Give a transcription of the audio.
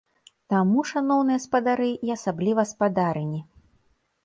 Таму, шаноўныя спадары і асабліва спадарыні!